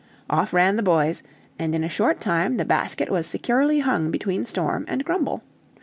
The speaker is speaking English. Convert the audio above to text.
Off ran the boys, and in a short time the basket was securely hung between Storm and Grumble.